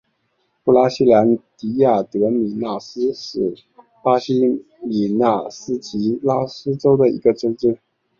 布拉西兰迪亚德米纳斯是巴西米纳斯吉拉斯州的一个市镇。